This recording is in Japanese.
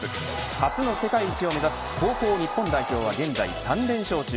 初の世界一を目指す高校日本代表は現在３連勝中。